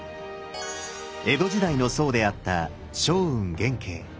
江戸時代の僧であった松雲元慶。